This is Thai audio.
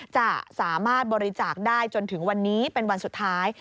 จะสามารถบริจาคได้จนถึงวันนี้เป็นวันสุดท้าย